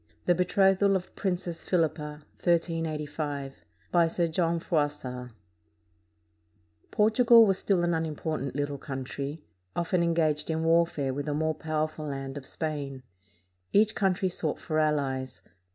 THE BETROTHAL OF PRINCESS PHILIPPA BY SIR JOHN FROISSART [Portugal was still an unimportant little country, often engaged in warfare with the more powerful land of Spain. Each country sought for allies.